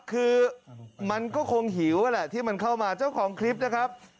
คือมันก็คงหิวแหละที่มันเข้ามาเจ้าของคลิปนะครับ